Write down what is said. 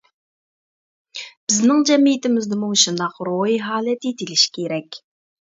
بىزنىڭ جەمئىيىتىمىزدىمۇ مۇشۇنداق روھىي ھالەت يېتىلىشى كېرەك.